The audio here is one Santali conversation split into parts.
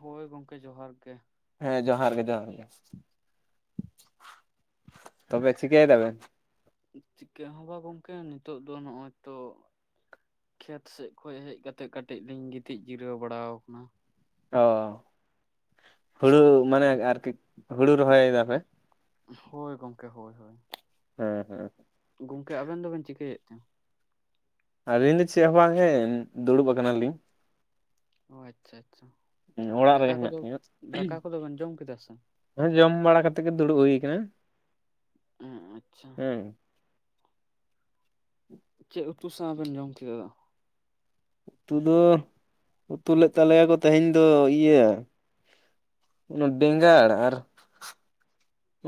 ᱦᱳᱭ ᱜᱚᱝᱠᱮ ᱡᱚᱦᱟᱨ ᱜᱮ᱾ ᱦᱮᱸ ᱡᱚᱦᱟᱨ ᱜᱮ ᱡᱚᱦᱟᱨ ᱜᱮ ᱛᱚᱵᱮ ᱪᱤᱠᱟᱹᱭ ᱫᱟ ᱵᱮᱱ? ᱪᱤᱠᱟᱹ ᱦᱚᱸ ᱵᱟᱝ ᱜᱚᱝᱠᱮ ᱱᱤᱛᱚᱜ ᱫᱚ ᱱᱚᱜ-ᱚᱭ ᱛᱚᱼᱼ ᱠᱷᱮᱛ ᱥᱮᱡ ᱠᱷᱚᱱ ᱦᱮᱡ ᱠᱟᱛᱮᱜ ᱠᱟᱹᱴᱤᱡ ᱞᱤᱧ ᱜᱤᱛᱤᱡ ᱡᱤᱨᱟᱹᱣ ᱵᱟᱲᱟᱣ ᱠᱟᱱᱟ᱾ ᱚ ᱦᱩᱲᱩ ᱢᱟᱱᱮ ᱟᱨ ᱠᱤ ᱦᱩᱲᱩ ᱨᱚᱦᱚᱭ ᱫᱟ ᱯᱮ᱾ ᱦᱳᱭ ᱜᱚᱝᱠᱮ ᱦᱚᱭ ᱦᱚᱭ᱾ ᱦᱮᱸ ᱦᱮᱸ᱾ ᱜᱚᱝᱠᱮ ᱟᱵᱮᱱ ᱫᱚ ᱵᱮᱱ ᱪᱤᱠᱟᱹᱭ ᱮᱜ ᱛᱮ? ᱟᱹᱞᱤᱧ ᱫᱚ ᱪᱮᱜ ᱦᱚᱸ ᱵᱟᱝ ᱜᱮ ᱫᱩᱲᱩᱵ ᱟᱠᱟᱱᱟ ᱞᱤᱧ᱾ ᱚ ᱟᱪᱪᱷᱟ ᱟᱪᱪᱷᱟ ᱚᱲᱟᱜ ᱫᱟᱠᱟ ᱨᱮᱜᱮ ᱦᱮᱱᱟᱜ ᱠᱚᱫᱚ ᱫᱟᱠᱟ ᱠᱚᱫᱚ ᱵᱮᱱ ᱡᱚᱢ ᱠᱮᱫᱟ ᱥᱮ? ᱦᱮᱸ ᱡᱚᱢ ᱵᱟᱲᱟ ᱠᱟᱛᱮᱜ ᱜᱮ ᱫᱩᱲᱩᱵ ᱦᱩᱭ ᱠᱟᱱᱟ᱾ ᱮᱸ ᱟᱪᱪᱷᱟ᱾ ᱪᱮᱜ ᱩᱛᱩ ᱥᱟᱶ ᱵᱮᱱ ᱡᱚᱢ ᱠᱮᱫᱟ? ᱩᱛᱩ ᱫᱚ ᱩᱛᱩ ᱞᱮᱫ ᱛᱟᱞᱮᱭᱟ ᱟᱠᱚ ᱛᱮᱦᱮᱧ ᱫᱚ ᱤᱭᱟᱹᱼᱼ ᱚᱱᱟ ᱵᱮᱸᱜᱟᱲ ᱟᱨ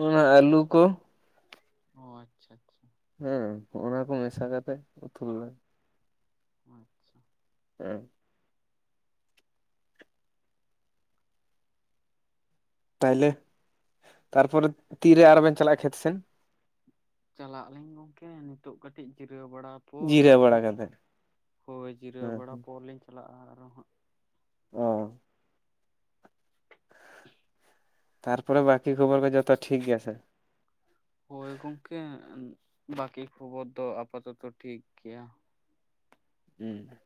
ᱚᱱᱟ ᱟᱹᱞᱩ ᱠᱚ ᱚ ᱟᱪᱪᱷᱟ ᱟᱪᱪᱷᱟ ᱦᱮᱸ ᱚᱱᱟ ᱠᱚ ᱢᱮᱥᱟ ᱠᱟᱛᱮ ᱩᱛᱩ ᱵᱟᱲᱟᱼᱼ ᱟᱪᱪᱷᱟ ᱦᱮᱸᱼᱼ ᱛᱟᱦᱞᱮ ᱛᱟᱨᱯᱚᱨᱮ ᱛᱤᱨᱮ ᱟᱨ ᱵᱮᱱ ᱪᱟᱞᱟᱜᱼᱟ ᱠᱷᱮᱛ ᱥᱮᱱ ᱪᱟᱞᱟᱜ ᱟᱹᱞᱤᱧ ᱜᱚᱝᱠᱮ ᱱᱤᱛᱚᱜ ᱠᱟᱹᱴᱤᱡ ᱡᱤᱨᱟᱹᱣ ᱵᱟᱲᱟ ᱡᱤᱨᱟᱹᱣ ᱵᱟᱲᱟ ᱠᱟᱛᱮ [unintelligible] ᱦᱳᱭ ᱡᱤᱨᱟᱹᱣ ᱦᱮᱸ ᱵᱟᱲᱟ ᱦᱮᱸ ᱯᱚᱨ ᱞᱤᱧ ᱪᱟᱞᱟᱜᱼᱟ ᱟᱨᱚ ᱦᱟᱸᱜ [unintelligible] [inaudible] ᱛᱟᱨᱯᱚᱨᱮ ᱵᱟᱠᱤ ᱠᱷᱚᱵᱚᱨ ᱠᱚ ᱡᱚᱛᱚ ᱴᱷᱤᱠ ᱜᱮᱭᱟ ᱥᱮ ᱦᱳᱭ ᱜᱚᱢᱠᱮ ᱵᱟᱠᱤ ᱠᱷᱚᱵᱚᱨ ᱫᱚ ᱟᱯᱟᱛᱚᱛᱚ ᱴᱷᱤᱠ ᱜᱮᱭᱟ ᱦᱮᱸ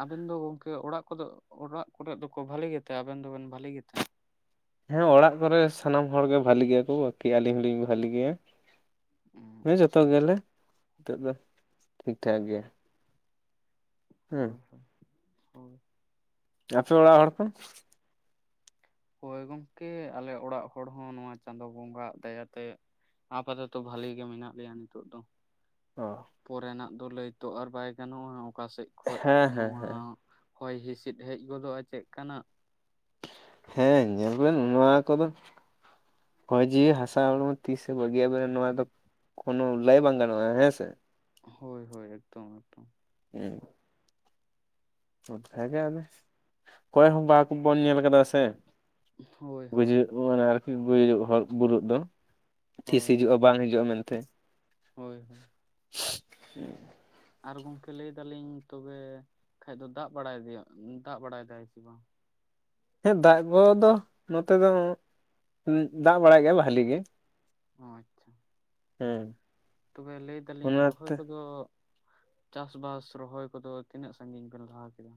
ᱟᱵᱮᱱ ᱫᱚ ᱜᱚᱝᱠᱮ ᱚᱲᱟᱜ ᱠᱚᱫᱚ ᱚᱲᱟᱜ ᱠᱚᱨᱮ ᱫᱚᱠᱚ ᱵᱷᱟᱹᱞᱤ ᱜᱮᱛᱮ ᱟᱵᱮᱱ ᱫᱚ ᱵᱮᱱ ᱵᱷᱟᱹᱞᱤ ᱜᱮᱛᱮ ᱦᱮᱸ ᱚᱲᱟᱜ ᱠᱚᱨᱮ ᱥᱟᱱᱟᱢ ᱦᱚᱲ ᱜᱮ ᱵᱷᱟᱞᱤ ᱜᱮᱭᱟ ᱠᱚ ᱵᱟᱠᱤ ᱟᱹᱞᱤᱧ ᱦᱚᱸ ᱞᱤᱧ ᱵᱷᱟᱹᱞᱤ ᱜᱮᱭᱟ ᱦᱮᱸ ᱟᱪᱪᱷᱟ ᱡᱚᱛᱚ ᱜᱮ ᱟᱪᱪᱷᱟ ᱟᱞᱮ ᱱᱤᱛᱚᱜ ᱫᱚ ᱴᱷᱤᱠ ᱴᱷᱟᱠ ᱜᱮᱭᱟ ᱦᱮᱸ ᱦᱳᱭ ᱦᱳᱭ ᱟᱯᱮ ᱚᱲᱟᱜ ᱦᱚᱲ ᱠᱚᱼᱼ ᱦᱚᱭ ᱜᱚᱢᱠᱮ ᱟᱞᱮ ᱚᱲᱟᱜ ᱦᱚᱲ ᱦᱚᱸ ᱱᱚᱣᱟ ᱪᱟᱸᱫᱳ ᱵᱚᱸᱜᱟ ᱦᱟᱜ ᱫᱟᱭᱟ ᱛᱮᱼᱼ ᱟᱯᱟᱫᱚᱛᱚ ᱵᱷᱟᱞᱤ ᱜᱮ ᱢᱮᱱᱟᱜ ᱞᱮᱭᱟ ᱱᱤᱛᱚᱜ ᱫᱚ ᱚᱼᱼ ᱯᱚᱨᱮᱱᱟᱜ ᱫᱚ ᱞᱟᱹᱭ ᱛᱚ ᱟᱨ ᱵᱟᱭ ᱜᱟᱱᱚᱜᱼᱟ ᱚᱠᱟ ᱥᱮᱫ ᱠᱷᱚᱡ ᱦᱮᱸ ᱦᱮᱸ ᱱᱚᱣᱟᱼᱼ ᱦᱮᱸ ᱦᱚᱭ ᱦᱤᱸᱥᱤᱫ ᱦᱮᱡ ᱜᱚᱫᱚᱜᱼᱟ ᱪᱮᱫ ᱠᱟᱱᱟᱜ ᱦᱮᱸ ᱧᱮᱞ ᱵᱮᱱ ᱱᱚᱣᱟ ᱠᱚᱫᱚᱼᱼ ᱦᱚᱭ ᱡᱤᱣᱤ ᱦᱟᱥᱟ ᱦᱚᱲᱢᱚ ᱛᱤᱥᱮ ᱵᱟᱜᱤ [unintelligible] ᱱᱚᱣᱟ ᱫᱚᱼᱼ ᱠᱳᱱᱳ ᱞᱟᱹᱭ ᱵᱟᱝ ᱜᱟᱱᱚᱜᱼᱟ, ᱦᱮᱸ ᱥᱮ? ᱦᱳᱭ ᱦᱳᱭ ᱮᱠᱫᱚᱢ ᱮᱠᱫᱚᱢ᱾ ᱦᱩᱸ᱾ ᱵᱷᱟᱜᱮ ᱟᱞᱮ ᱚᱠᱚᱭ ᱦᱚᱸ ᱵᱟᱠᱵᱚᱱ ᱧᱮᱞ ᱟᱠᱟᱫᱟ ᱥᱮ᱾ ᱦᱳᱭ ᱦᱳᱭ ᱜᱩᱡᱩᱜ ᱢᱟᱱᱮ ᱟᱨᱠᱤ ᱜᱩᱡᱩᱜ ᱦᱚᱜ ᱵᱩᱨᱩᱜ ᱫᱚ᱾ ᱛᱤᱥ ᱦᱳᱭ ᱦᱤᱡᱩᱜᱼᱟ ᱵᱟᱝ ᱦᱤᱡᱩᱜᱼᱟ ᱢᱮᱱᱛᱮ᱾ ᱦᱳᱭ ᱦᱳᱭ ᱟᱨ ᱜᱚᱝᱠᱮ ᱞᱟᱹᱭ ᱫᱟᱞᱤᱧ ᱛᱚᱵᱮ ᱠᱷᱟᱱᱴᱡ ᱫᱚ ᱫᱟᱜ ᱵᱟᱲᱟᱭ ᱫᱚ ᱫᱟᱜ ᱵᱟᱲᱟᱭ ᱫᱟᱭ ᱥᱮ ᱵᱟᱝ? ᱦᱮᱸ ᱫᱟᱜ ᱠᱚ ᱫᱚ ᱱᱚᱛᱮ ᱫᱚ ᱩᱸ ᱫᱟᱜ ᱵᱟᱲᱟᱭ ᱜᱮᱭᱟ ᱵᱟᱹᱞᱮ ᱜᱮ᱾ ᱚ ᱟᱪᱪᱷᱟ᱾ ᱦᱮᱸ᱾ ᱛᱚᱵᱮ ᱞᱟᱹᱭ ᱫᱟᱞᱤᱧ ᱨᱚᱦᱚᱭ ᱚᱱᱟᱛᱮ ᱠᱚᱫᱚ ᱪᱟᱥ ᱵᱟᱥ ᱨᱚᱦᱚᱭ ᱠᱚᱫᱚ ᱛᱤᱱᱟᱹᱜ ᱥᱟᱜᱤᱧ ᱵᱤᱱ ᱞᱟᱦᱟ ᱠᱮᱫᱟ?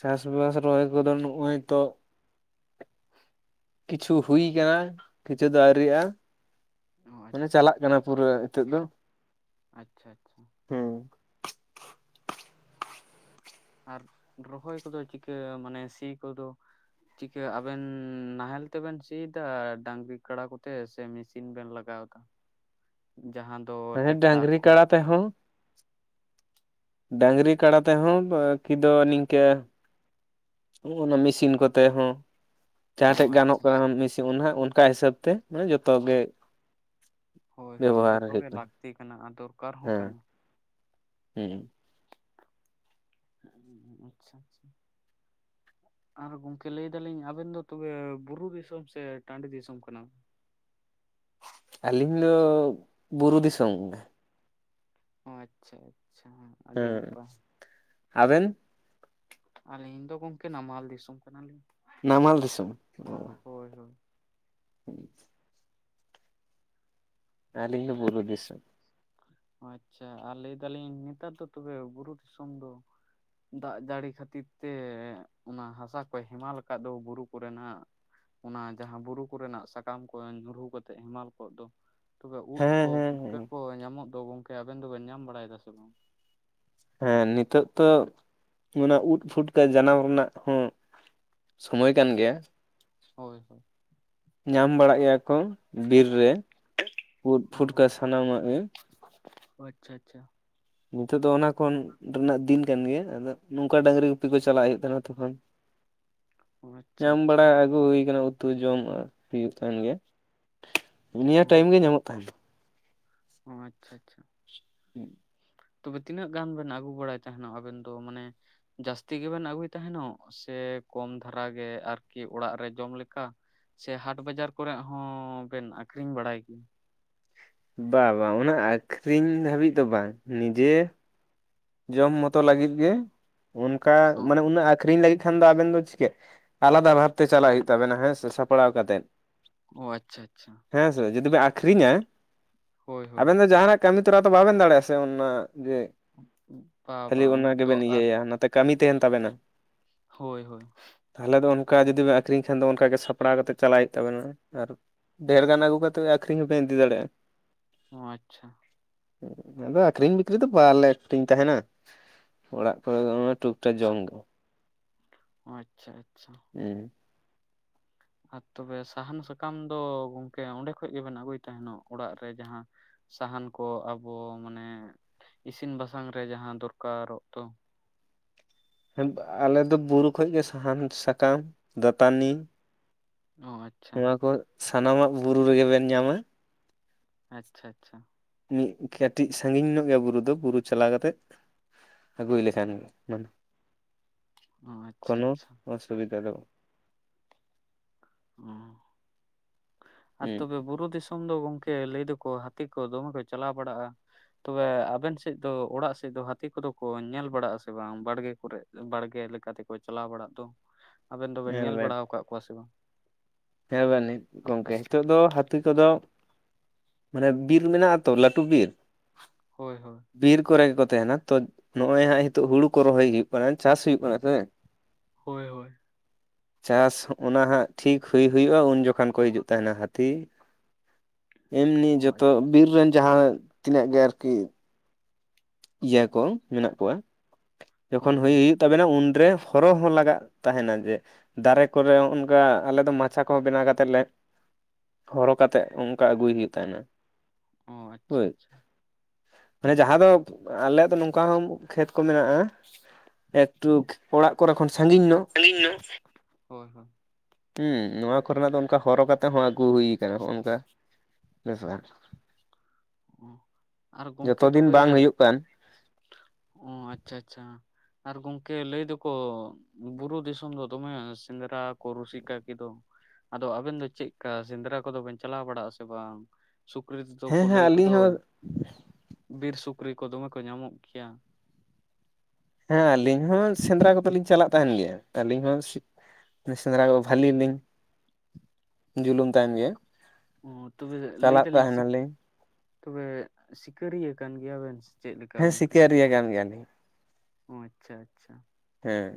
ᱪᱟᱥ ᱵᱟᱥ ᱨᱚᱦᱚᱭ ᱠᱚᱫᱚ ᱱᱚᱜᱼᱚᱭ ᱛᱚ ᱠᱤᱪᱷᱩ ᱦᱩᱭ ᱠᱟᱱᱟ ᱠᱤᱪᱷᱩ ᱫᱚ ᱟᱹᱣᱨᱤᱭᱟᱜᱼᱟ᱾ ᱚ ᱢᱟᱱᱮ ᱟᱪᱪᱷᱟ ᱪᱟᱞᱟᱜ ᱠᱟᱱᱟ ᱯᱩᱨᱟᱹ ᱦᱤᱛᱳᱜ ᱫᱚ᱾ ᱟᱪᱪᱷᱟ ᱟᱪᱪᱷᱟ᱾ ᱟᱨ ᱨᱚᱦᱚᱭ ᱠᱚᱫᱚ ᱪᱤᱠᱟᱹ ᱢᱟᱱᱮ ᱥᱤ ᱠᱚᱫᱚ ᱪᱤᱠᱟ ᱟᱵᱮᱱ ᱱᱟᱦᱮᱞ ᱛᱮᱵᱮᱱ ᱥᱤᱭᱮᱫᱟ ᱰᱟᱝᱨᱤ ᱠᱟᱲᱟ ᱠᱚᱛᱮ ᱥᱮ ᱢᱮᱥᱤᱱ ᱵᱮᱱ ᱞᱟᱜᱟᱣ ᱫᱟ, ᱡᱟᱦᱟᱸ ᱫᱚ ᱦᱮᱸ ᱴᱮᱠᱴᱟᱨ ᱰᱟᱝᱨᱤ ᱠᱚ ᱠᱟᱲᱟᱟ ᱛᱮᱦᱚᱸ᱾ ᱰᱟᱝᱨᱤ ᱠᱟᱰᱟ ᱛᱮᱦᱚᱸ ᱵᱟᱹᱠᱤ ᱫᱚ ᱱᱤᱝᱠᱟᱹ ᱚᱱᱟ ᱢᱮᱥᱤᱱ ᱠᱚᱛᱮ ᱦᱚᱸ, ᱡᱟᱦᱟᱸ ᱚ ᱴᱷᱮᱡ ᱜᱟᱱᱚᱜ ᱟᱪᱪᱷᱟ ᱟᱪᱪᱷᱟ ᱠᱟᱱᱟ ᱢᱮᱥᱤ ᱡᱮᱢᱚᱱ ᱦᱟᱸᱜ ᱚᱱᱠᱟ ᱦᱤᱥᱟᱹᱵ ᱛᱮ ᱢᱟᱱᱮ ᱡᱚᱛᱚ ᱜᱮ ᱦᱳᱭ ᱦᱳᱭ ᱵᱮᱵᱚᱦᱟᱨ ᱡᱚᱛᱚ ᱦᱩᱭᱩᱜ ᱜᱮ ᱞᱟᱹᱠᱛᱤ ᱠᱟᱱᱟ ᱟᱨ ᱫᱚᱨᱠᱟᱨ ᱦᱚᱸ ᱦᱮᱸ ᱠᱟᱱᱟ᱾ ᱦᱩᱸ᱾ ᱦᱩᱸᱧ ᱟᱪᱪᱷᱟ ᱟᱪᱪᱷᱟ᱾ [inaudible] ᱟᱨ ᱜᱚᱝᱠᱮ ᱞᱟᱹᱭ ᱫᱟᱞᱤᱧ ᱟᱵᱮᱱ ᱫᱚ ᱛᱚᱵᱮ ᱵᱩᱨᱩ ᱫᱤᱥᱚᱢ ᱥᱮ ᱴᱟᱺᱰᱤ ᱫᱤᱥᱚᱢ ᱠᱟᱱᱟ ᱵᱮᱱ? ᱟᱹᱞᱤᱧ ᱫᱚ ᱵᱩᱨᱩ ᱫᱤᱥᱚᱢ ᱜᱮ᱾ ᱚ ᱟᱪᱪᱷᱟ ᱟᱪᱪᱷᱟ ᱟᱹᱰᱤ ᱦᱮᱸ ᱱᱟᱯᱟᱭ᱾ ᱟᱵᱮᱱ ᱟᱹᱞᱤᱧ ᱫᱚ ᱜᱚᱝᱠᱮ ᱱᱟᱢᱟᱞ ᱫᱤᱥᱚᱢ ᱠᱟᱱᱟᱞᱤᱧ᱾ ᱱᱟᱢᱟᱞ ᱫᱤᱥᱚᱢ? ᱦᱳᱭ ᱦᱳᱭ [inaudible] ᱟᱹᱞᱤᱧ ᱫᱚ ᱵᱩᱨᱩ ᱫᱤᱥᱚᱢ᱾ ᱚ ᱟᱪᱪᱷᱟ ᱟᱨ ᱞᱟᱹᱭ ᱫᱟᱞᱤᱧ ᱱᱮᱛᱟᱨ ᱫᱚ ᱛᱚᱵᱮ ᱵᱩᱨᱩ ᱫᱤᱥᱚᱢ ᱫᱚ ᱫᱟᱜ ᱡᱟᱹᱲᱤ ᱠᱷᱟᱹᱛᱤᱨ ᱛᱮ ᱚᱱᱟ ᱦᱟᱥᱟ ᱠᱚᱭ ᱦᱮᱢᱟᱞ ᱠᱟᱜ ᱫᱚ ᱵᱩᱨᱩ ᱠᱚᱨᱮᱱᱟᱜ᱾ ᱚᱱᱟ ᱡᱟᱦᱟᱸ ᱵᱩᱨᱩ ᱠᱚᱨᱮᱱᱟᱜ ᱥᱟᱠᱟᱢ ᱠᱚ ᱧᱩᱨᱩ ᱠᱟᱛᱮᱜ ᱦᱮᱢᱟᱞ ᱠᱚᱜ ᱫᱚ᱾ ᱛᱚᱵᱮ ᱩᱫ ᱦᱮᱸ ᱠᱚ ᱦᱮᱸ ᱯᱷᱩᱴᱠᱟᱹ ᱦᱮᱸ ᱠᱚ ᱧᱟᱢᱚᱜ ᱫᱚ ᱜᱚᱝᱠᱮ ᱟᱵᱮᱱ ᱫᱚᱵᱮᱱ ᱧᱟᱢ ᱵᱟᱲᱟᱭᱮᱫᱟ ᱥᱮ ᱵᱟᱝ? ᱦᱮᱸ ᱱᱤᱛᱚᱜ ᱛᱚ ᱚᱱᱟ ᱩᱫ ᱯᱷᱩᱴᱠᱟᱹ ᱡᱟᱱᱟᱢ ᱨᱮᱱᱟᱜ ᱦᱚᱸ ᱥᱚᱢᱚᱭ ᱠᱟᱱ ᱜᱮᱭᱟ᱾ ᱦᱳᱭ ᱦᱳᱭ᱾ ᱧᱟᱢ ᱵᱟᱲᱟᱜ ᱜᱮᱭᱟ ᱠᱚ ᱵᱤᱨ ᱨᱮ ᱩᱫ ᱚ ᱯᱷᱩᱴᱠᱟᱹ ᱥᱟᱱᱟᱢᱟᱜ ᱜᱮ᱾ ᱪᱷᱟ ᱪᱷᱟ᱾ ᱱᱤᱛᱚᱜ ᱫᱚ ᱚᱱᱟ ᱠᱚᱱ ᱨᱮᱱᱟᱜ ᱫᱤᱱ ᱠᱟᱱ ᱜᱮᱭᱟ, ᱟᱫᱚ ᱱᱚᱝᱠᱟ ᱰᱟᱝᱨᱤ ᱜᱩᱯᱤ ᱠᱚ ᱪᱟᱞᱟᱜ ᱦᱩᱭᱩᱜ ᱛᱟᱦᱮᱱᱟ ᱛᱚᱠᱷᱚᱱ᱾ ᱟᱪᱪᱷᱟ ᱧᱟᱢ ᱟᱪᱪᱷᱟ ᱵᱟᱲᱟᱭᱟ ᱟᱹᱜᱩ ᱦᱩᱭ ᱠᱟᱱᱟ ᱩᱫ᱾ ᱩᱛᱩ ᱡᱚᱢ ᱢᱟ ᱦᱩᱭᱩᱜ ᱛᱟᱸᱦᱮᱱ ᱜᱮᱭᱟ, ᱚ ᱱᱤᱭᱟᱹ ᱴᱟᱭᱤᱢ ᱜᱮ ᱧᱟᱢᱚᱜ ᱛᱟᱸᱦᱮᱱᱟ᱾ ᱟᱪᱪᱷᱟ ᱟᱪᱪᱷᱟ᱾ ᱦᱩᱸ᱾ ᱛᱚᱵᱮ ᱛᱤᱱᱟᱹᱜ ᱜᱟᱱ ᱵᱮᱱ ᱟᱹᱜᱩ ᱵᱟᱲᱟᱭ ᱛᱟᱸᱦᱮᱱᱚᱜ ᱟᱵᱮᱱ ᱫᱚ ᱢᱟᱱᱮ? ᱡᱟᱹᱥᱛᱤ ᱜᱮᱵᱮᱱ ᱟᱹᱜᱩᱭ ᱛᱟᱸᱦᱮᱱᱚᱜ ᱥᱮ ᱠᱚᱢ ᱫᱷᱟᱨᱟ ᱜᱮ ᱟᱨᱠᱤ ᱚᱲᱟᱜ ᱨᱮ ᱡᱚᱢ ᱞᱮᱠᱟ? ᱥᱮ ᱦᱟᱴ ᱵᱟᱡᱟᱨ ᱠᱚᱨᱮᱜ ᱦᱚᱸ ᱵᱮᱱ ᱟᱠᱷᱨᱤᱧ ᱵᱟᱲᱟᱭ ᱜᱮᱭᱟ? ᱵᱟ ᱵᱟ, ᱚᱱᱟ ᱟᱠᱷᱨᱤᱧ ᱫᱷᱟᱹᱵᱤᱡ ᱫᱚ ᱵᱟᱝ, ᱱᱤᱡᱮ ᱡᱚᱢ ᱢᱚᱛᱚ ᱞᱟᱹᱜᱤᱫ ᱜᱮ, ᱚᱱᱠᱟ ᱢᱟᱱᱮ ᱩᱱᱟᱹᱜ ᱟᱠᱷᱨᱤᱧ ᱞᱟᱹᱜᱤᱫ ᱠᱷᱟᱱ ᱫᱚ ᱟᱵᱮᱱ ᱫᱚ ᱪᱤᱠᱟᱹᱜ, ᱟᱞᱟᱫᱟ ᱵᱷᱟᱵ ᱛᱮ ᱪᱟᱞᱟᱜ ᱦᱩᱭᱩᱜ ᱛᱟᱵᱮᱱᱟ ᱦᱮᱸ ᱥᱮ ᱥᱟᱯᱲᱟᱣ ᱠᱟᱛᱮᱫ᱾ ᱚ, ᱟᱪᱪᱷᱟ ᱟᱪᱪᱷᱟ᱾ ᱦᱮᱸ ᱥᱮ, ᱡᱩᱫᱤᱵᱮ ᱟᱠᱷᱨᱤᱧᱟ ᱦᱳᱭ ᱦᱳᱭ ᱟᱵᱮᱱ ᱫᱚ ᱡᱟᱸᱦᱟᱱᱟᱜ ᱠᱟᱹᱢᱤ ᱛᱚᱨᱟ ᱛᱚ ᱵᱟᱵᱮᱱ ᱫᱟᱲᱮᱜ ᱟᱥᱮ ᱩᱱᱟᱹᱜ ᱡᱮ [unintelligible] ᱠᱷᱟᱹᱞᱤ ᱚᱱᱟ ᱫᱚ ᱜᱮᱵᱮᱱ ᱟᱨ ᱤᱭᱟᱹᱭᱟ ᱱᱚᱛᱮ ᱠᱟᱹᱢᱤ ᱛᱟᱸᱦᱮᱱ ᱛᱟᱵᱮᱱᱟ᱾ ᱦᱳᱭ ᱦᱳᱭ᱾ ᱛᱟᱦᱞᱮ ᱫᱚ ᱚᱱᱠᱟ ᱡᱩᱫᱤ ᱵᱮ ᱟᱹᱠᱷᱨᱤᱧ ᱠᱷᱟᱱ ᱫᱚ ᱚᱱᱠᱟᱜᱮ ᱥᱟᱯᱲᱟᱣ ᱠᱟᱛᱮᱫ ᱪᱟᱞᱟᱜ ᱦᱩᱭᱩᱜ ᱛᱟᱵᱮᱱᱟ, ᱟᱨ ᱰᱷᱮᱨ ᱜᱟᱱ ᱟᱹᱜᱩ ᱠᱟᱛᱮᱜ ᱟᱠᱷᱨᱤᱧ ᱦᱚᱸᱵᱮᱱ ᱤᱫᱤ ᱫᱟᱲᱮᱜ-ᱟ᱾ ᱟᱪᱪᱷᱟ᱾ ᱟᱫᱚ ᱟᱠᱷᱨᱤᱧ ᱵᱟᱠᱨᱤᱧ ᱫᱚ ᱵᱟᱞᱮ ᱟᱠᱷᱨᱤᱧ ᱛᱟᱸᱦᱮᱱᱟ, ᱚᱲᱟᱜ ᱠᱚᱨᱮ ᱫᱚ, ᱳᱭ ᱴᱩᱠᱴᱟᱠ ᱡᱚᱢ ᱜᱮ᱾ ᱟᱪᱪᱷᱟ ᱟᱪᱪᱷᱟ᱾ ᱦᱩᱸ᱾ ᱟᱨ ᱛᱚᱵᱮ ᱥᱟᱦᱟᱱ ᱥᱟᱠᱟᱢ ᱫᱚ ᱜᱚᱝᱠᱮ ᱚᱸᱰᱮ ᱠᱷᱚᱡ ᱜᱮᱵᱮᱱ ᱟᱹᱜᱩᱭ ᱛᱟᱦᱮᱱᱚᱜ ᱚᱲᱟᱜ ᱨᱮ ᱡᱟᱦᱟᱸ ᱥᱟᱦᱟᱱ ᱠᱚ ᱟᱵᱚ ᱢᱟᱱᱮ ᱤᱥᱤᱱ ᱵᱟᱥᱟᱝ ᱨᱮ ᱡᱟᱦᱟᱸ ᱫᱚᱨᱠᱟᱨᱚᱜ ᱫᱚ? ᱦᱮᱸ ᱟᱞᱮ ᱫᱚ ᱵᱩᱨᱩ ᱠᱷᱚᱡ ᱜᱮ ᱥᱟᱦᱟᱱ, ᱥᱟᱠᱟᱢ, ᱫᱟᱹᱛᱟᱱᱤ, ᱚ ᱟᱪ ᱱᱚᱣᱟ ᱠᱚ ᱥᱟᱱᱟᱢᱟᱜ ᱵᱩᱨᱩ ᱨᱮᱜᱮ ᱵᱮᱱ ᱧᱟᱢᱟ᱾ ᱟᱪᱪᱷᱟ ᱟᱪᱪᱷᱟ᱾ ᱢᱤᱫ ᱠᱟᱹᱴᱤᱡ ᱥᱟᱸᱜᱤᱧ ᱧᱚᱜ ᱜᱮ ᱵᱩᱨᱩ ᱫᱚ ᱵᱩᱨᱩ ᱪᱟᱞᱟᱣ ᱠᱟᱛᱮᱫ ᱟᱹᱜᱩᱭ ᱞᱮᱠᱷᱟᱱ ᱜᱮ, ᱚ ᱟᱪᱪᱷᱟ ᱠᱳᱱᱳ ᱟᱪᱪᱷᱟ ᱚᱥᱩᱵᱤᱫᱷᱟ ᱫᱚ ᱵᱟ᱾ ᱚ, ᱟᱨ ᱦᱩᱸ ᱛᱚᱵᱮ ᱵᱩᱨᱩ ᱫᱤᱥ ᱤᱧ ᱫᱚ ᱜᱚᱝᱠᱮ ᱞᱟᱹᱭ ᱫᱚᱠᱚ ᱦᱟᱹᱛᱤ ᱠᱚ ᱫᱚᱢᱮ ᱠᱚ ᱪᱟᱞᱟᱣ ᱵᱟᱲᱟᱜ-ᱟ᱾ ᱛᱚᱵᱮ ᱟᱵᱮᱱ ᱥᱮᱫ ᱫᱚ ᱚᱲᱟᱜ ᱥᱮᱫ ᱫᱚ ᱦᱟᱹᱛᱤ ᱠᱚᱫᱚ ᱠᱚ ᱧᱮᱞ ᱵᱟᱲᱟᱜ-ᱟ ᱥᱮ ᱵᱟᱝ ᱵᱟᱲᱜᱮ ᱠᱚᱨᱮᱫ? ᱵᱟᱲᱜᱮ ᱞᱮᱠᱟ ᱛᱮᱠᱚ ᱪᱟᱞᱟᱣ ᱵᱟᱲᱟᱜ ᱫᱚ? [inaudible] ᱟᱵᱮᱱ ᱫᱚ ᱵᱮᱱ ᱧᱮᱞ ᱵᱟᱲᱟᱣ ᱠᱟᱜ ᱠᱚᱣᱟ ᱥᱮ ᱵᱟᱝ? ᱦᱮᱸ ᱵᱟᱹᱱᱤᱡ ᱜᱚᱝᱠᱮ ᱦᱤᱛᱳᱜ ᱫᱚ ᱦᱟᱹᱛᱤ ᱠᱚᱫᱚ ᱢᱟᱱᱮ ᱵᱤᱨ ᱢᱮᱱᱟᱜ-ᱟ ᱛᱚ ᱞᱟᱹᱴᱩ ᱵᱤᱨ ᱦᱳᱭ ᱦᱳᱭ᱾ ᱵᱤᱨ ᱠᱚᱨᱮ ᱜᱮ ᱠᱚ ᱛᱮᱸᱦᱮᱱᱟ, ᱛᱚ ᱱᱚᱜ-ᱚᱭ ᱦᱟᱸᱜ ᱦᱤᱛᱳᱜ ᱦᱩᱲᱩ ᱠᱚ ᱨᱚᱦᱚᱭ ᱦᱩᱭᱩᱜ ᱠᱟᱱᱟ ᱪᱟᱥ ᱦᱩᱭᱩᱜ ᱠᱟᱱᱟ ᱥᱮ᱾ ᱦᱳᱭ ᱦᱳᱭ᱾ ᱪᱟᱥ ᱚᱱᱟ ᱦᱟᱸᱜ ᱴᱷᱤᱠ ᱦᱩᱭ ᱦᱩᱭᱩᱜ-ᱟ, ᱩᱱ ᱡᱚᱠᱷᱟᱱ ᱠᱚ ᱦᱤᱡᱩᱜ ᱛᱟᱦᱮᱱᱟ ᱦᱟᱛᱤ᱾ ᱮᱢᱱᱤ ᱚ ᱡᱚᱛᱚ ᱟᱪᱪᱷᱟ ᱵᱤᱨ ᱨᱮᱱ ᱡᱟᱦᱟᱸ ᱛᱤᱱᱟᱹᱜ ᱜᱮ ᱟᱨᱠᱤ ᱤᱭᱟ ᱠᱚ ᱢᱮᱱᱟᱜ ᱠᱚᱣᱟ, ᱡᱚᱠᱷᱚᱱ ᱦᱳᱭ ᱦᱩᱭ ᱦᱳᱭ ᱛᱟᱵᱮᱱᱟ ᱩᱱᱨᱮ ᱦᱚᱨᱚ ᱦᱚᱸ ᱞᱟᱜᱟᱜ ᱛᱟᱦᱮᱸᱱᱟ ᱡᱮ ᱫᱟᱨᱮ ᱠᱚᱨᱮ ᱦᱚ ᱚᱱᱠᱟ ᱟᱞᱮ ᱫᱚ ᱢᱟᱪᱷᱟ ᱠᱚ ᱦᱚᱸ ᱵᱮᱱᱟᱣ ᱠᱟᱛᱮᱫ ᱞᱮ ᱦᱚᱨᱚ ᱠᱟᱛᱮᱫ ᱚᱱᱠᱟ ᱟᱹᱜᱩᱭ ᱦᱩᱭᱩᱜ ᱛᱟᱸᱦᱮᱱᱟ ᱾ ᱦᱚᱸ ᱟᱪᱪᱷᱟ ᱟᱪᱪᱷᱟ ᱾ ᱢᱟᱱᱮ ᱡᱟᱦᱟᱸ ᱫᱚ ᱟᱞᱮ ᱫᱚ ᱱᱚᱝᱠᱟ ᱦᱚᱸ ᱠᱷᱮᱛ ᱠᱚ ᱢᱮᱱᱟᱜᱼᱟ, ᱮᱜ ᱴᱩᱠ ᱚᱲᱟᱜ ᱠᱚᱨᱮ ᱠᱷᱚᱱ ᱥᱟᱺᱜᱤᱧ ᱧᱚᱜ ᱥᱟᱺᱜᱤᱧ ᱧᱚᱜ ᱦᱳᱭ ᱦᱳᱭ ᱾ ᱦᱩᱸ ᱱᱚᱣᱟ ᱠᱚᱨᱮᱱᱟᱜ ᱫᱚ ᱚᱱᱠᱟ ᱦᱚᱨᱚ ᱠᱟᱛᱮᱜ ᱦᱚᱸ ᱟᱹᱜᱩ ᱦᱩᱭ ᱠᱟᱱᱟ, ᱱᱚᱸᱜᱼᱚ ᱱᱚᱝᱠᱟ ᱵᱮᱥᱟᱨ [unintelligible] ᱦᱚᱸ ᱟᱨ ᱜᱚᱝᱠᱮ ᱫᱤᱱ ᱛᱚᱵᱮ, ᱵᱟᱝ ᱦᱩᱭᱩᱜ ᱠᱟᱱ ᱚᱸ ᱟᱪᱪᱷᱟ ᱟᱪᱪᱷᱟ ᱟᱨ ᱜᱚᱝᱠᱮ ᱞᱟᱹᱭ ᱫᱚᱠᱚ ᱵᱩᱨᱩ ᱫᱤᱥᱚᱢ ᱫᱚ ᱫᱚᱢᱮ ᱥᱮᱸᱫᱽᱨᱟ ᱠᱚ ᱨᱩᱥᱤᱠᱟ ᱜᱮᱫᱚ ᱟᱫᱚ ᱟᱵᱤᱱ ᱫᱚ ᱪᱮᱜ ᱠᱟ, ᱥᱮᱸᱫᱽᱨᱟ ᱠᱚᱫᱚ ᱵᱤᱱ ᱪᱟᱞᱟᱣ ᱵᱟᱲᱟᱜᱼᱟ ᱥᱮ ᱵᱟᱝ? ᱥᱩᱠᱨᱤ ᱦᱮᱸ ᱦᱮᱸ ᱠᱩᱞᱟᱹᱭ ᱟᱹᱞᱤᱧ ᱠᱚᱫᱚ, ᱦᱚᱸ ᱵᱤᱨ ᱥᱩᱠᱨᱤ ᱠᱚ ᱫᱚᱢᱮ ᱠᱚ ᱧᱟᱢᱚᱜ ᱜᱮᱭᱟ ᱾ ᱦᱮᱸ ᱟᱹᱞᱤᱧ ᱦᱚᱸ ᱥᱮᱸᱫᱽᱨᱟ ᱠᱚᱫᱚ ᱞᱤᱧ ᱪᱟᱞᱟᱜ ᱛᱟᱸᱦᱮᱱ ᱜᱮᱭᱟ, ᱟᱹᱞᱤᱧ ᱦᱚᱸ ᱾ ᱥᱮᱸᱫᱽᱨᱟ ᱠᱚ ᱵᱷᱟᱹᱞᱤᱧ ᱞᱤᱧ, ᱡᱩᱞᱩᱢ ᱛᱟᱸᱦᱮᱱ ᱜᱮᱭᱟ ᱾ ᱚᱸ ᱛᱚᱵᱮ ᱞᱟᱹᱭ ᱫᱟᱞᱤᱧ ᱥᱤᱠ, ᱛᱚᱵᱮ ᱥᱤᱠᱟᱹᱨᱤᱭᱟᱹ ᱠᱟᱱ ᱜᱮᱭᱟ ᱵᱮᱱ? ᱦᱮᱸ ᱥᱤᱠᱟᱨᱤᱭᱟᱹ ᱠᱟᱱ ᱜᱮᱭᱟ ᱞᱤᱧ ᱾ ᱚᱸ ᱟᱪᱪᱷᱟ ᱟᱪᱪᱷᱟ ᱾ ᱦᱮᱸ ᱾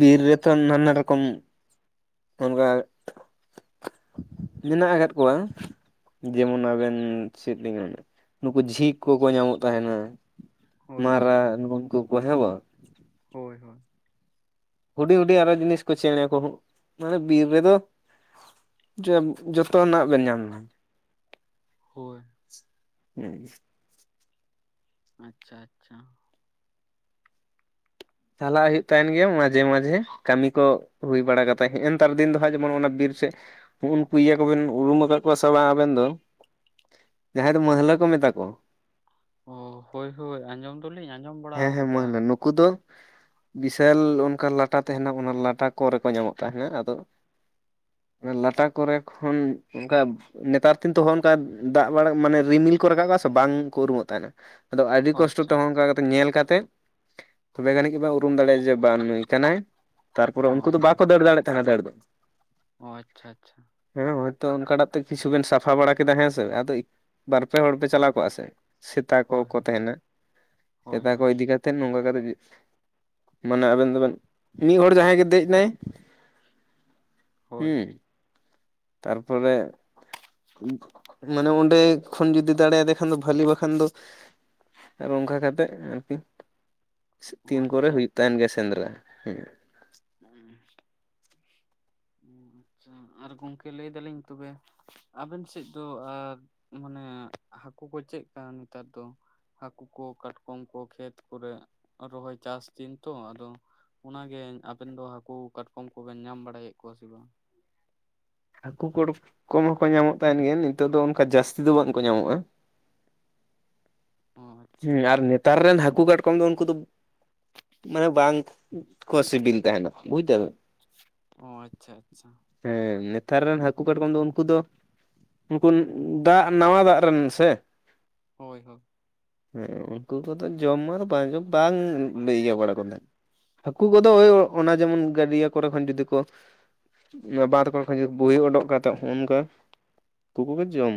ᱵᱤᱨ ᱨᱮᱛᱚ ᱱᱟᱱᱟ ᱨᱚᱠᱚᱢ, ᱚᱱᱜᱟ ᱢᱮᱱᱟᱜ ᱟᱠᱟᱫ ᱠᱚᱣᱟ ᱾ ᱡᱮᱢᱚᱱ ᱟᱵᱮᱱ ᱪᱮᱫ ᱞᱤᱧ, [inaudible] ᱱᱩᱠᱩ ᱡᱷᱤᱸᱠ ᱠᱚᱠᱚ ᱧᱟᱢᱚᱜ ᱛᱟᱸᱦᱮᱱᱟ ᱾ ᱦᱳᱭ ᱦᱳᱭ ᱢᱟᱨᱟᱜ ᱱᱩᱠᱩ ᱠᱚ ᱦᱮᱸ ᱵᱟᱝ ᱾ ᱦᱳᱭ ᱦᱳᱭ ᱦᱩᱰᱤᱧ ᱦᱩᱰᱤᱧ ᱟᱨᱚ ᱡᱤᱱᱤᱥ ᱠᱚ ᱪᱮᱬᱮ ᱠᱚᱦᱚᱸ, ᱢᱟᱱᱮ ᱵᱤᱨ ᱨᱮᱫᱚ ᱡᱚᱯ [unintelligible] ᱡᱚᱛᱚᱱᱟᱜ ᱵᱮᱱ ᱧᱟᱢᱱᱟ ᱦᱳᱭ ᱾ [unintelligible] ᱟᱪᱪᱷᱟ ᱟᱪᱪᱷᱟ ᱾ ᱪᱟᱞᱟᱜ ᱦᱩᱭᱩᱜ ᱛᱟᱸᱦᱮᱱ ᱜᱮᱭᱟ, ᱢᱟᱡᱷᱮ ᱢᱟᱡᱷᱮ ᱠᱟᱹᱢᱤ ᱠᱚ ᱦᱩᱭ ᱵᱟᱲᱟ ᱠᱟᱛᱮᱜ, ᱱᱮᱜᱼᱮ ᱱᱮᱛᱟᱨ ᱫᱤᱱ ᱫᱚ ᱦᱟᱸᱜ ᱡᱮᱢᱚᱱ ᱚᱱᱟ ᱵᱤᱨ ᱥᱮᱫ ᱩᱱᱠᱩ ᱤᱭᱟᱹ ᱠᱚᱵᱮᱱ ᱩᱨᱩᱢ ᱟᱠᱟᱫ ᱠᱚᱣᱟ ᱥᱮ ᱵᱟᱝ ᱟᱵᱮᱱ ᱫᱚ? ᱡᱟᱦᱟᱸᱭ ᱫᱚ ᱢᱟᱹᱦᱞᱟᱹ ᱠᱚ ᱢᱮᱛᱟ ᱠᱚᱣᱟ ᱾ ᱚ ᱦᱳᱭ ᱦᱳᱭ ᱟᱸᱡᱚᱢᱼᱼ ᱛᱚᱞᱤᱧ ᱟᱸᱡᱚᱢᱼᱼ ᱦᱮᱸ ᱦᱮᱸ ᱢᱟᱹᱦᱞᱟᱹ, ᱱᱩᱠᱩ ᱫᱚᱼᱼ ᱵᱤᱥᱟᱞ ᱚᱱᱠᱟ ᱞᱟᱴᱟ ᱛᱟᱸᱦᱮᱱᱟ, ᱚᱱᱟ ᱞᱟᱴᱟ ᱠᱚᱨᱮ ᱠᱚ ᱧᱟᱢᱚᱜ ᱛᱟᱸᱦᱮᱱᱟ ᱟᱫᱚᱼᱼ ᱞᱟᱴᱟ ᱠᱚᱨᱮᱜ ᱠᱷᱚᱱ ᱚᱱᱠᱟᱼᱼ ᱱᱮᱛᱟᱨ ᱫᱤᱱ ᱛᱚ ᱱᱚᱝᱠᱟ ᱫᱟᱜ ᱵᱟᱲᱟ, ᱢᱟᱱᱮ ᱨᱤᱢᱤᱞ ᱠᱚ ᱨᱟᱠᱟᱵᱚᱜᱼᱟ ᱥᱮ ᱵᱟᱝ ᱠᱚ ᱩᱨᱩᱢᱚᱜ ᱛᱟᱸᱦᱮᱱᱟ ᱾ ᱟᱫᱚ ᱟᱹᱰᱤ ᱚ ᱠᱚᱥᱴᱚ ᱟᱪᱪᱷᱟ ᱛᱮᱦᱚᱸ ᱚᱱᱠᱟᱼᱼ ᱧᱮᱞ ᱠᱟᱛᱮᱫ ᱛᱚᱵᱮ ᱡᱟᱹᱱᱤᱡ ᱜᱮᱵᱚ ᱩᱨᱩᱢ ᱫᱟᱲᱮᱭᱟᱜᱼᱟ ᱡᱮ ᱵᱟᱝ ᱱᱩᱭ ᱠᱟᱱᱟᱭ ᱾ ᱛᱟᱨᱯᱚᱨᱮ ᱚ ᱩᱱᱠᱩ ᱫᱚ ᱟᱪᱪᱷᱟ ᱵᱟᱠᱚ ᱫᱟᱹᱲ ᱫᱟᱲᱮᱭᱟᱜ ᱛᱟᱦᱮᱸᱱᱟ ᱫᱟᱹᱲ ᱫᱚ ᱾ ᱚ ᱟᱪᱪᱷᱟ ᱟᱪᱪᱷᱟ ᱦᱮᱸ ᱦᱚᱳᱭᱛᱳ ᱚᱱᱠᱟᱴᱟᱜ ᱛᱮ ᱠᱤᱪᱷᱩ ᱵᱮᱱ ᱥᱟᱯᱷᱟ ᱵᱟᱲᱟ ᱠᱮᱫᱟ ᱦᱮᱸ ᱥᱮ ᱟᱫᱚ ᱵᱟᱨ ᱯᱮ ᱦᱚᱲ ᱯᱮ ᱪᱟᱞᱟᱣ ᱠᱚᱜᱼᱟ ᱥᱮ ᱥᱮᱛᱟ ᱦᱳᱭ ᱠᱚᱠᱚ ᱦᱳᱭ ᱛᱟᱦᱮᱱᱟ ᱦᱳᱭ ᱥᱮᱛᱟ ᱦᱳᱭ ᱠᱚ ᱤᱫᱤ ᱠᱟ ᱠᱟᱛᱮᱮᱫ ᱱᱚᱝᱠᱟ ᱠᱟᱛᱮᱫ ᱢᱟᱱᱮ ᱟᱵᱮᱱ ᱫᱚᱵᱮᱱ ᱢᱤᱫ ᱦᱚᱲ ᱡᱟᱦᱟᱸᱭ ᱜᱮ ᱫᱮᱡ ᱱᱟᱭ ᱦᱳᱭ ᱦᱩᱸ ᱛᱟᱨᱯᱚᱨᱮ ᱢᱟᱱᱮ ᱚᱸᱰᱮ ᱠᱷᱚᱱ ᱡᱩᱫᱤ ᱫᱟᱲᱮᱭᱟᱫᱮ ᱠᱷᱟᱱ ᱫᱚ ᱵᱷᱷᱟᱞᱤ ᱵᱟᱠᱷᱟᱱ ᱫᱚ ᱟᱨ ᱚᱱᱠᱟ ᱠᱟᱛᱮᱮᱫ ᱟᱨᱠᱤᱱ ᱚ ᱛᱤᱱ ᱠᱚᱨᱮ ᱟᱪᱪᱷᱟ ᱦᱩᱭᱩᱜ ᱛᱟᱦᱮᱱ ᱜᱮᱭᱟ ᱥᱮᱸᱫᱽᱨᱟ ᱦᱮᱸ ᱦᱩᱸ ᱚ ᱟᱪᱪᱷᱟ ᱟᱨ ᱜᱚᱝᱠᱮ ᱞᱟᱹᱭ ᱫᱟᱞᱤᱧ ᱛᱚᱵᱮ ᱟᱵᱮᱱ ᱥᱮᱫ ᱫᱚ ᱟᱨ ᱢᱟᱱᱮ ᱦᱟᱹᱠᱩ ᱠᱚ ᱪᱮᱫ ᱠᱟᱱᱟ ᱱᱮᱛᱟᱨ ᱫᱚ ᱦᱟᱹᱠᱩ ᱠᱚ ᱠᱟᱴᱠᱚᱢ ᱠᱚ ᱠᱷᱮᱛ ᱠᱚᱨᱮ ᱨᱚᱦᱚᱭ ᱪᱟᱥ ᱫᱤᱱ ᱛᱚ ᱟᱫᱚ ᱚᱱᱟᱜᱮ ᱟᱵᱮᱱ ᱫᱚ ᱦᱟᱹᱠᱩ ᱠᱟᱴᱠᱚᱢ ᱠᱚᱵᱮᱱ ᱧᱟᱢ ᱵᱟᱲᱟᱭᱮᱫ ᱠᱚᱣᱟ ᱥᱮ ᱵᱟᱝ ᱦᱟᱹᱠᱩ ᱠᱚᱲ ᱠᱚ ᱦᱚᱸᱠᱚ ᱧᱟᱢᱚᱜ ᱛᱟᱦᱮᱱ ᱜᱮᱭᱟ ᱱᱤᱛᱚᱜ ᱫᱚ ᱚᱱᱠᱟ ᱡᱟᱹᱥᱛᱤ ᱫᱚ ᱵᱟᱝᱠᱚ ᱧᱟᱢᱚᱜᱼᱟ ᱚ ᱟᱪᱪᱷᱟ ᱦᱮᱸ ᱟᱨ ᱟᱪᱪᱷᱟ ᱱᱮᱛᱟᱨ ᱨᱮᱱ ᱦᱟᱹᱠᱩ ᱠᱟᱴᱠᱚᱢ ᱫᱚ ᱩᱱᱠᱩ ᱫᱚ ᱢᱟᱱᱮ ᱵᱟᱝ ᱠᱚ ᱥᱤᱵᱤᱞ ᱛᱟᱦᱮᱱᱟ ᱵᱩᱡ ᱫᱟ ᱚ ᱟᱪᱪᱷᱟ ᱟᱪᱪᱷᱟ ᱦᱮᱸ ᱱᱮᱛᱟᱨ ᱨᱮᱱ ᱦᱟᱹᱠᱩ ᱠᱟᱴᱠᱚᱢ ᱫᱚ ᱩᱱᱠᱩ ᱫᱚ ᱩᱱᱠᱩ ᱫᱟᱜ ᱱᱟᱣᱟ ᱫᱟᱜ ᱨᱮᱱ ᱥᱮ ᱦᱳᱭ ᱦᱳᱭ ᱦᱮᱸ ᱩᱱᱠᱩ ᱠᱚᱫᱚ ᱡᱚᱢ ᱟᱨ ᱵᱟᱝ ᱡᱚᱢ ᱵᱟᱝ ᱤᱭᱟᱹ ᱵᱟᱲᱟ ᱠᱚ ᱛᱟᱦᱮᱸᱫ ᱦᱟᱹᱠᱩ ᱠᱚᱫᱚ ᱳᱭ ᱚᱱᱟ ᱡᱮᱢᱚᱱ ᱜᱟᱹᱰᱭᱟᱹ ᱠᱚᱨᱮ ᱠᱷᱚᱱ ᱡᱩᱫᱤ ᱠᱚ ᱵᱟᱸᱫᱽᱠᱚᱲᱟ ᱠᱷᱩᱫᱤ ᱵᱩᱦᱤ ᱩᱰᱠ ᱠᱟᱛᱮᱮᱫ ᱦᱚᱸᱜᱼᱝᱠᱟ ᱩᱱᱠᱩ ᱠᱚᱜᱮ ᱡᱚᱢ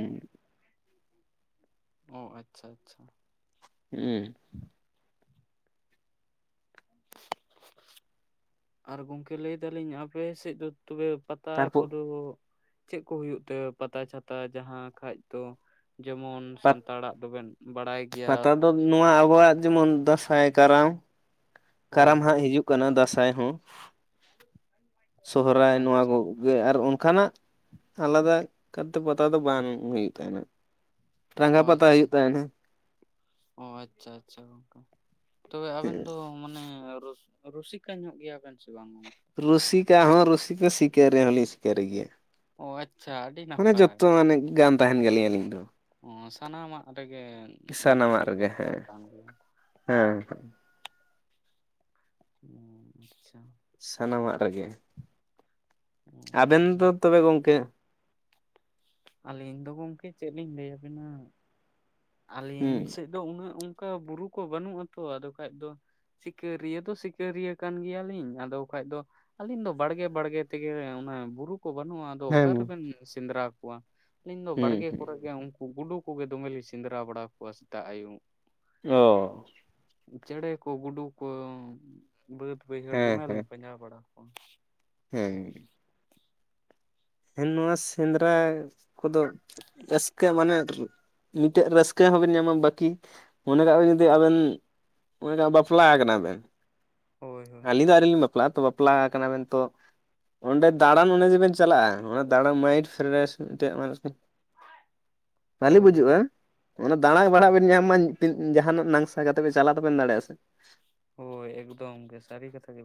ᱚ ᱟᱪᱪᱷᱟ ᱟᱪᱪᱷᱟ ᱩᱸ ᱟᱨ ᱜᱚᱝᱠᱮ ᱞᱟᱹᱭ ᱫᱟᱞᱤᱧ ᱟᱯᱮ ᱥᱮᱫ ᱫᱚ ᱛᱚᱵᱮ ᱯᱟᱛᱟ ᱛᱟᱨᱯᱚᱨ ᱠᱚᱫᱚ ᱪᱮᱫ ᱠᱚ ᱦᱩᱭᱩᱜ ᱛᱮ ᱯᱟᱛᱟ ᱪᱷᱟᱛᱟ ᱡᱟᱦᱟᱸ ᱠᱷᱟᱡ ᱫᱚ ᱡᱮᱢᱚᱱ ᱯᱟᱛ ᱥᱟᱱᱛᱟᱲᱟᱜ ᱫᱚᱵᱮᱱ ᱵᱟᱲᱟᱭ ᱜᱮᱭᱟ ᱯᱟᱛᱟ ᱫᱚ ᱱᱚᱣᱟ ᱟᱵᱚᱣᱟᱜ ᱡᱮᱢᱚᱱ ᱫᱟᱸᱥᱟᱭ ᱠᱟᱨᱟᱢ ᱦᱳᱭ ᱠᱟᱨᱟᱢ ᱦᱳᱭ ᱦᱟᱸᱜ ᱦᱤᱡᱩᱜ ᱠᱟᱱᱟ ᱫᱟᱸᱥᱟᱭ ᱦᱚᱸ ᱚ ᱥᱚᱦᱨᱟᱭ ᱱᱚᱣᱟ ᱟᱪᱪᱷᱟ ᱠᱚ ᱟᱨ ᱚᱱᱠᱟᱱᱟᱜ ᱟᱞᱟᱫᱟ ᱠᱟᱛᱮ ᱯᱚᱛᱟ ᱫᱚ ᱵᱟᱝ ᱦᱩᱭᱩᱜ ᱛᱟᱦᱮᱱᱟ ᱴᱟᱸᱜᱟ ᱚ ᱯᱟᱛᱟ ᱟᱪᱪᱷᱟ ᱦᱩᱭᱩᱜ ᱛᱟᱦᱮᱱᱟ ᱚ ᱟᱪᱪᱷᱟ ᱟᱪᱪᱷᱟ ᱜᱚᱝᱠᱮ ᱛᱚᱵᱮ ᱟᱵᱮᱱ ᱫᱚ ᱢᱟᱱᱮ ᱨᱩᱥᱤᱠᱟ ᱧᱚᱜ ᱜᱮᱭᱟᱵᱮᱱ ᱥᱮ ᱵᱟᱝ ᱜᱚᱢᱠᱮ ᱨᱩᱥᱤᱠᱟ ᱦᱚᱸ ᱨᱩᱥᱤᱠᱟ ᱥᱤᱠᱟᱹᱨ ᱨᱮ ᱦᱚᱸᱞᱤᱧ ᱥᱤᱠᱟᱹᱨ ᱜᱮᱭᱟ ᱚᱪ ᱢᱟᱱᱮ ᱡᱚᱛᱚ ᱢᱟᱱᱮ ᱜᱟᱱ ᱛᱟᱦᱮᱱ ᱜᱮᱞᱤᱧ ᱟᱹᱞᱤᱧ ᱫᱚ ᱚ ᱥᱟᱱᱟᱢᱟᱜ ᱨᱮᱜᱮ ᱤᱭᱟᱹ ᱥᱟᱱᱟᱢᱟᱜ ᱫᱚ ᱨᱮᱜᱮ ᱫᱚᱨᱠᱟᱨ ᱦᱮᱸ ᱠᱟᱱ ᱜᱮᱭᱟ ᱦᱮᱸ ᱟᱪᱪᱷᱟ ᱥᱟᱱᱟᱢᱟᱜ ᱨᱮᱜᱮ, ᱚ ᱟᱵᱮᱱ ᱫᱚ ᱛᱚᱵᱮ ᱜᱚᱝᱠᱮ ᱟᱹᱞᱤᱧ ᱫᱚ ᱜᱚᱢᱠᱮ ᱪᱮᱫ ᱞᱤᱧ ᱞᱟᱹᱭ ᱟᱵᱤᱱᱟ? ᱟᱹᱞᱤᱧ ᱦᱩᱸ ᱥᱮᱫ ᱫᱚ, ᱩᱱᱟᱹᱜ ᱚᱱᱠᱟ ᱵᱩᱨᱩ ᱠᱚ ᱵᱟᱹᱱᱩᱜ ᱟᱛᱚ ᱟᱫᱚ ᱠᱷᱟᱡ ᱫᱚ ᱥᱤᱠᱟᱹᱨᱤᱭᱟᱹ ᱫᱚ ᱥᱤᱠᱟᱹᱨᱤᱭᱟᱹ ᱠᱟᱱ ᱜᱮᱭᱟᱞᱤᱧ, ᱟᱫᱚ ᱠᱷᱟᱡ ᱫᱚ ᱾ ᱟᱞᱤᱧ ᱫᱚ ᱵᱟᱹᱲᱜᱮ ᱵᱟᱹᱲᱜᱮ ᱛᱮᱜᱮ, ᱵᱩᱨᱩ ᱠᱚ ᱵᱟᱹᱱᱩᱜ ᱟ ᱾ ᱦᱮᱸ ᱚᱠᱟ ᱨᱮᱵᱮᱱ ᱥᱮᱸᱫᱽᱨᱟ ᱠᱚᱣᱟ? ᱟᱞᱤᱧ ᱫᱚ ᱦᱩᱸ ᱵᱟᱲᱜᱮ ᱦᱩᱸ ᱠᱚᱨᱮ ᱜᱮ ᱩᱱᱠᱩ ᱜᱩᱰᱩ ᱠᱚᱜᱮ ᱫᱚᱢᱮᱞᱤᱧ ᱥᱮ ᱥᱮᱱᱫᱨᱟ ᱵᱟᱲᱟ ᱠᱚᱣᱟ ᱥᱮᱛᱟᱜ ᱟᱭᱩᱵ ᱾ ᱚᱻ᱾ ᱪᱮᱬᱮ ᱠᱚ ᱜᱩᱰᱩ ᱠᱚ ᱵᱟᱹᱫᱽ, ᱵᱟᱹᱭᱦᱟᱹᱲ ᱦᱮᱸ ᱫᱚᱢᱮᱞᱤᱧ ᱦᱮᱸ ᱯᱟᱸᱡᱟ ᱵᱟᱲᱟ [inaudible] ᱦᱮᱸ ᱜᱮ᱾ ᱦᱮᱱ ᱱᱚᱣᱟ ᱥᱮᱱᱫᱨᱟ ᱠᱚᱫᱚ ᱨᱟᱹᱥᱠᱟᱹ ᱢᱟᱱᱮ ᱢᱤᱜ ᱴᱮᱜ ᱨᱟᱹᱥᱠᱟᱹ ᱦᱚᱸᱵᱮᱱ ᱧᱟᱢᱟ ᱵᱟᱹᱠᱤ ᱢᱚᱱᱮ ᱠᱟᱜ ᱵᱤᱱ ᱡᱩᱫᱤ ᱟᱵᱮᱱ [unintelligible] ᱵᱟᱯᱞᱟ ᱠᱟᱱᱟ ᱵᱮᱱ ᱦᱳᱭ ᱦᱳᱭ ᱟᱞᱤᱧ ᱫᱚ ᱟᱹᱣᱨᱤᱞᱤᱧ ᱵᱟᱯ ᱵᱟᱯᱞᱟ ᱛᱚ ᱵᱟᱯᱞᱟ ᱟᱠᱟᱱᱟ ᱵᱮᱱ ᱛᱚ, ᱚᱸᱰᱮ ᱫᱟᱬᱟᱱ ᱚᱱᱮ ᱡᱮᱵᱮᱱ ᱪᱟᱞᱟᱜᱼᱟ ᱚᱱᱟ ᱫᱟᱬᱟᱱ ᱢᱟᱭᱤᱴ ᱯᱷᱨᱮᱥ [unintelligible] ᱵᱷᱟᱹᱞᱤ ᱦᱳᱭ ᱦᱳᱭ ᱵᱩᱡᱩᱜᱼᱟ, ᱚᱱᱟ ᱫᱟᱬᱟ ᱵᱟᱲᱟᱜ ᱵᱮᱱ ᱧᱟᱢ ᱢᱟ ᱛᱤᱱ ᱡᱟᱦᱟᱱᱟᱜ ᱱᱟᱝᱥᱟ ᱠᱟᱛᱮ ᱯᱮ ᱪᱟᱞᱟᱜ ᱫᱚᱵᱮᱱ ᱫᱟᱲᱮᱭᱟᱜᱼᱟ ᱥᱮ ᱦᱳᱭ ᱮᱠᱫᱚᱢ ᱜᱮ ᱥᱟᱨᱤ ᱠᱟᱛᱷᱟ ᱜᱮ᱾